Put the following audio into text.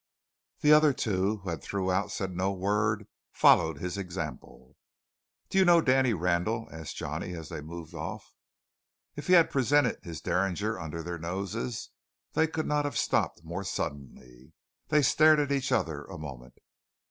The other two, who had throughout said no word, followed his example. "Do you know Danny Randall?" asked Johnny as they moved off. If he had presented his derringer under their noses, they could not have stopped more suddenly. They stared at each other a moment.